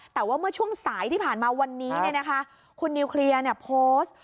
แต่ว่าเมื่อช่วงสายที่ผ่านมาวันนี้เนี่ยนะคะคุณนิวเคลียร์เนี่ยโพสต์